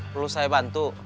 perlu saya bantu